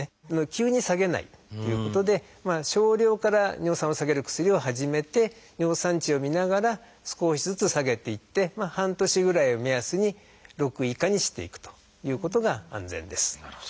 「急に下げない」ということで少量から尿酸を下げる薬を始めて尿酸値を見ながら少しずつ下げていって半年ぐらいを目安に６以下にしていくということが安全です。